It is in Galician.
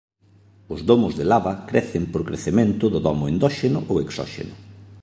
Os domos de lava crecen por crecemento do domo endóxeno ou exóxeno.